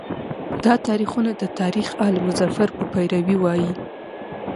دا تاریخونه د تاریخ آل مظفر په پیروی وایي.